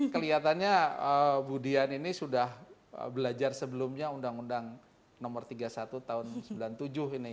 kelihatannya bu dian ini sudah belajar sebelumnya undang undang nomor tiga puluh satu tahun seribu sembilan ratus sembilan puluh tujuh ini